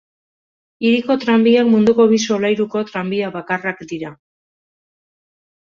Hiriko tranbiak munduko bi solairuko tranbia bakarrak dira.